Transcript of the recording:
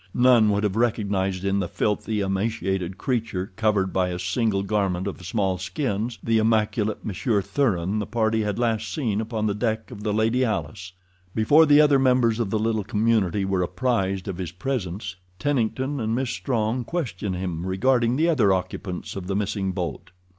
None would have recognized in the filthy, emaciated creature, covered by a single garment of small skins, the immaculate Monsieur Thuran the party had last seen upon the deck of the Lady Alice. Before the other members of the little community were apprised of his presence Tennington and Miss Strong questioned him regarding the other occupants of the missing boat.